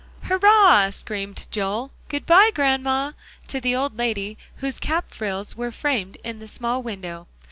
"Hurrah!" screamed Joel. "Good by, Grandma," to the old lady, whose cap frills were framed in the small window.